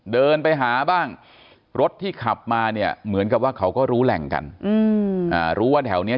เดินไปหาบ้างรถที่ขับมาเนี่ยเหมือนกับว่าเขาก็รู้แหล่งกันรู้ว่าแถวเนี้ย